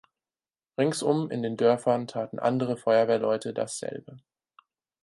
Ringsum in den Dörfern taten andere Feuerwehrleute dasselbe.